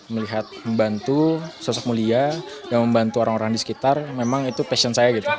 melihat membantu sosok mulia yang membantu orang orang di sekitar memang itu passion saya gitu